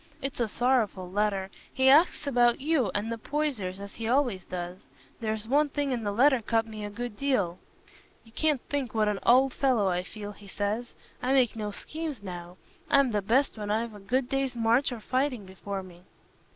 It's a sorrowful letter. He asks about you and the Poysers, as he always does. There's one thing in the letter cut me a good deal: 'You can't think what an old fellow I feel,' he says; 'I make no schemes now. I'm the best when I've a good day's march or fighting before me.